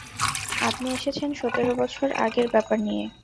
আপনি এসেছেন সতের বছর আগের ব্যাপার নিয়ে।